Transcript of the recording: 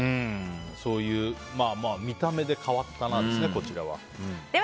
見た目で変わったなですねこちらは。